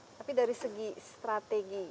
tapi dari segi strategi